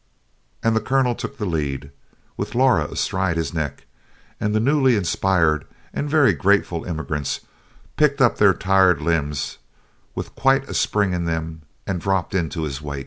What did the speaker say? And the Colonel took the lead, with Laura astride his neck, and the newly inspired and very grateful immigrants picked up their tired limbs with quite a spring in them and dropped into his wake.